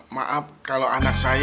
maaf kalau anak saya